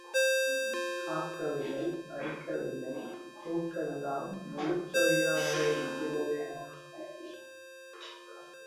ஆக்கவில்லை, அரிக்கவில்லை மூக்கெல்லாம் முழுக்கரியாக இருக்கிறதே!